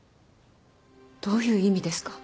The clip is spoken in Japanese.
どういう意味ですか？